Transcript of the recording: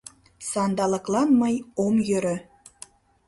— Сандалыклан мый ом йӧрӧ.